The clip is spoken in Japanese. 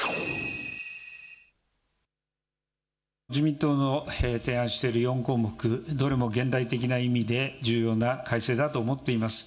自民党の提案している４項目、どれも現代的な意味で、重要な改正だと思っています。